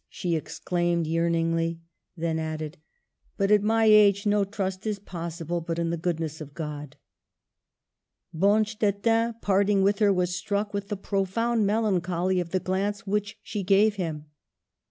" she exclaimed yearningly. Then added, " But at my age no trust is possible but in the goodness of God." Bonstetten, parting with her, was struck with the profound melancholy of the glance which she gave him.